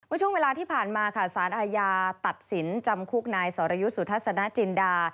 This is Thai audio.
วันช่วงเวลาที่ผ่านมาศาลอาญาตัดสินจำคลุกนายสรยุสุทธศนจินดา